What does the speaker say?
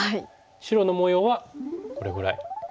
白の模様はこれぐらい。